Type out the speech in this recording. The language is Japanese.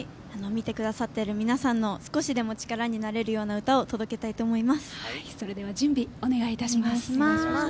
見てくださっている皆さんの少しでも力になれるような歌を届けたいと思います。